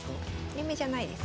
連盟じゃないです。